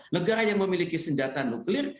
negara yang memiliki senjata nuklir